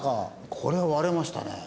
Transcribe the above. これは割れましたね。